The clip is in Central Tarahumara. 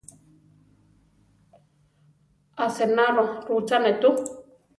Asénaro rutzane tú.